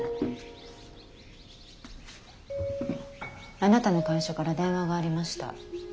あなたの会社から電話がありました。